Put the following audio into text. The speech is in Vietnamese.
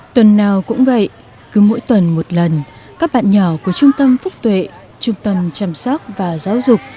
tuần nào cũng vậy cứ mỗi tuần một lần các bạn nhỏ của trung tâm phúc tuệ trung tâm chăm sóc và giáo dục